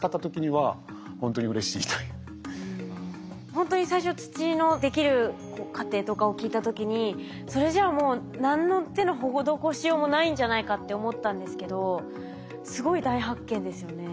ほんとに最初土のできる過程とかを聞いた時にそれじゃあもう何の手の施しようもないんじゃないかって思ったんですけどすごい大発見ですよね。